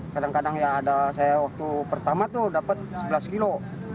kadang kadang ya ada saya waktu pertama itu dapat sebelas kilo